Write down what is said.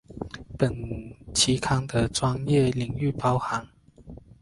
本期刊的专业领域包含